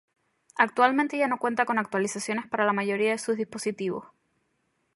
Actualmente ya no cuenta con actualizaciones para la mayoría de sus dispositivos.